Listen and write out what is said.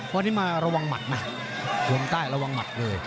วันนี้มาระวังหมัดนะวงใต้ระวังหมัดเลย